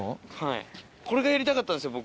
これがやりたかったんですよ